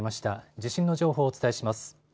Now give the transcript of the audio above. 地震の情報をお伝えします。